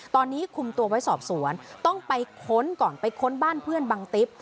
ตอนนี้คุมตัวไว้สอบสวนต้องไปค้นก่อนไปค้นบ้านเพื่อนบังติ๊บ